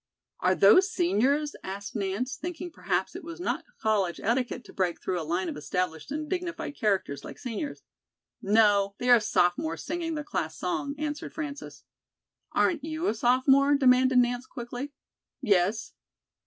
"Are those seniors?" asked Nance, thinking perhaps it was not college etiquette to break through a line of established and dignified characters like seniors. "No; they are sophomores singing their class song," answered Frances. "Aren't you a sophomore?" demanded Nance quickly. "Yes."